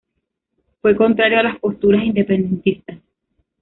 Fue contrario a las posturas independentistas.